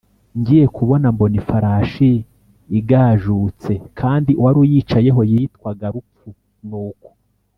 Ngiye kubona mbona ifarashi igajutse kandi uwari uyicayeho yitwaga Rupfu Nuko